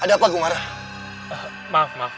apa yang kamu lakukan